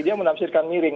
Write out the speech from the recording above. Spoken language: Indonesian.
dia menafsirkan miring